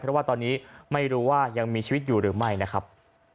เพราะว่าตอนนี้ไม่รู้ว่ายังมีชีวิตอยู่หรือไม่นะครับ